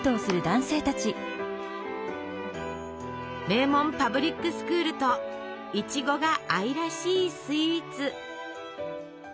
名門パブリックスクールといちごが愛らしいスイーツ。